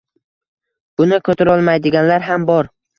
Buni ko‘tarolmaydiganlar ham bor.